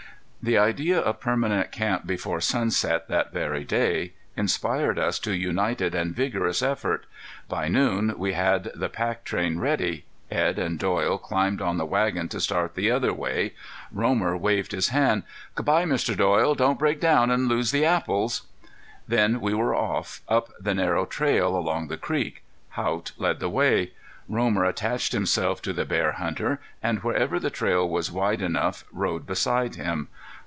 The idea of permanent camp before sunset that very day inspired us to united and vigorous effort. By noon we had the pack train ready. Edd and Doyle climbed on the wagon to start the other way. Romer waved his hand: "Good bye, Mr. Doyle, don't break down and lose the apples!" Then we were off, up the narrow trail along the creek. Haught led the way. Romer attached himself to the bear hunter, and wherever the trail was wide enough rode beside him.